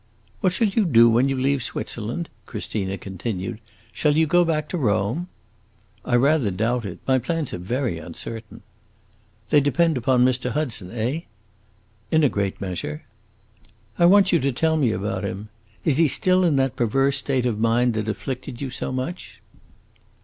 "What shall you do when you leave Switzerland?" Christina continued. "Shall you go back to Rome?" "I rather doubt it. My plans are very uncertain." "They depend upon Mr. Hudson, eh?" "In a great measure." "I want you to tell me about him. Is he still in that perverse state of mind that afflicted you so much?"